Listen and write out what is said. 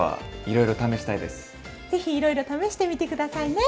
ぜひいろいろ試してみて下さいね。